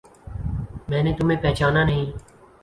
میں نے تمہیں پہچانا نہیں